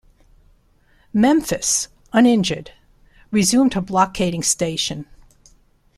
"Memphis", uninjured, resumed her blockading station.